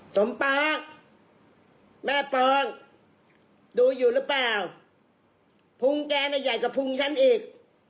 ป๊าแม่ปองดูอยู่หรือเปล่าพุงแกน่ะใหญ่กว่าพุงฉันอีก